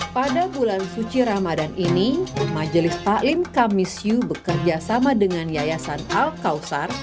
pada bulan suci ramadan ini majelis taklim kamisyu bekerja sama dengan yayasan al kausar